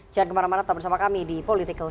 jangan kemana mana tetap bersama kami di politikal show